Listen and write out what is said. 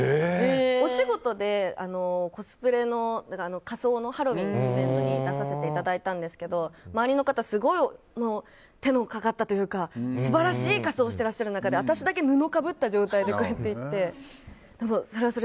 お仕事でコスプレ仮装のハロウィーンのイベントに出させていただいたんですけど周りの方は手のかかったというか素晴らしい仮装をしてらっしゃる中で私だけ布をかぶった状態で行って。